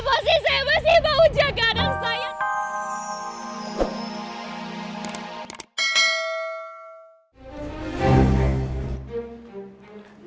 apa sih saya masih mau jaga anak saya